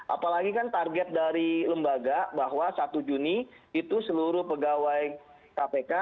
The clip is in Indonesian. apalagi kan target dari lembaga bahwa satu juni itu seluruh pegawai kpk